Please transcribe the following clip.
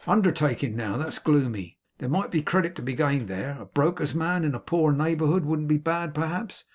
Undertaking now. That's gloomy. There might be credit to be gained there. A broker's man in a poor neighbourhood wouldn't be bad perhaps.